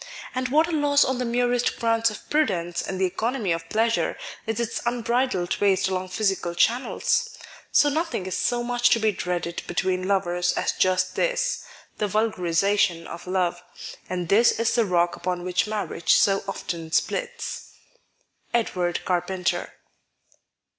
And what a loss on the merest grounds of prudence and the economy of pleasure is its unbridled waste along physical channels ! So nothing is so much to be dreaded between lovers as just this — the vulgarisation of love — and this is the rock upon which marriage 80 often splits. — Edward Carpenter.